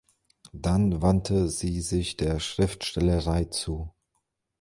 Dann wandte sie sich der Schriftstellerei zu.